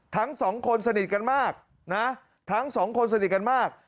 ทั้งสองคนสนิทกันมากนะทั้งสองคนสนิทกันมาก